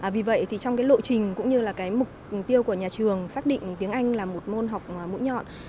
vì vậy trong lộ trình cũng như mục tiêu của nhà trường xác định tiếng anh là một môn học mũi nhọn